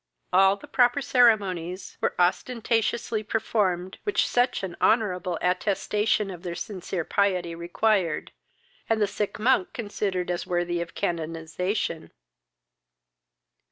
All the proper ceremonies were ostentatiously performed which such an honourable attestation of their sincere piety required, and the sick monk considered as worthy of canonization.